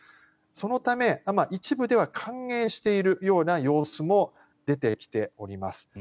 そのため一部では歓迎しているような様子も出てきております。